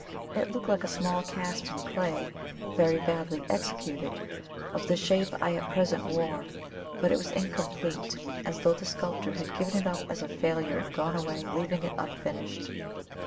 It looked like a small cast in clay, very badly executed, of the shape I at present wore; but it was incomplete, as though the sculptor had given it up as a failure and gone away, leaving it unfinished.